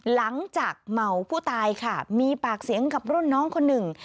เหมาผู้ตายค่ะมีปากเสียงกับรุ่นน้องคนหนึ่ง